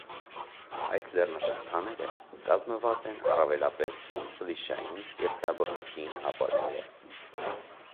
Այս լեռնաշղթաները կազմուած են առաւելապէս ֆլիշային եւ հրաբխածին ապարներէ։